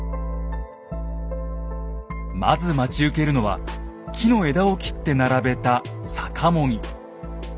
まず待ち受けるのは木の枝を切って並べた「逆茂木」。